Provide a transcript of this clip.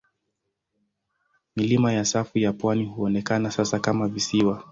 Milima ya safu ya pwani huonekana sasa kama visiwa.